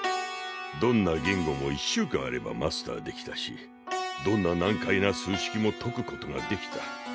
どんな言語も１週間あればマスターできたしどんな難解な数式も解くことができた。